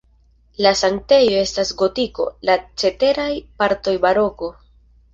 La sanktejo estas gotiko, la ceteraj partoj baroko.